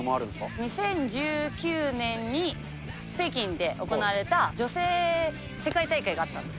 ２０１９年に北京で行われた女性世界大会があったんです